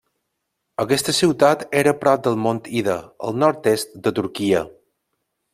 Aquesta ciutat era prop del Mont Ida, al nord-est de Turquia.